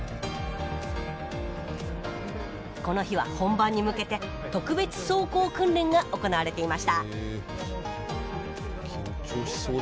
この日は本番に向けて特別走行訓練が行われていました緊張しそうだなあれ。